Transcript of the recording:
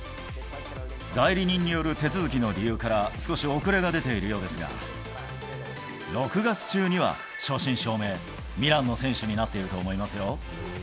代理人による手続きの理由から、少し遅れが出ているようですが、６月中には正真正銘、ミランの選手になっていると思いますよ。